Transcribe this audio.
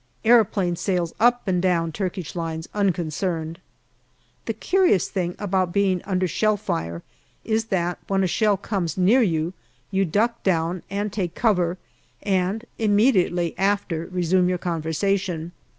Aeroplane sails up and down Turkish lines unconcerned. The curious thing about being under shell fire is that when a shell comes near you, you duck down and take cover, and immediately after resume your conversation.